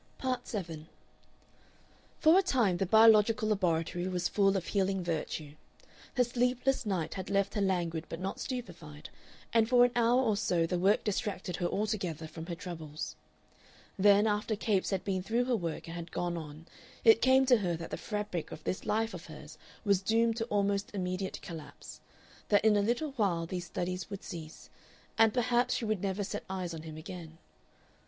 Part 7 For a time the biological laboratory was full of healing virtue. Her sleepless night had left her languid but not stupefied, and for an hour or so the work distracted her altogether from her troubles. Then, after Capes had been through her work and had gone on, it came to her that the fabric of this life of hers was doomed to almost immediate collapse; that in a little while these studies would cease, and perhaps she would never set eyes on him again.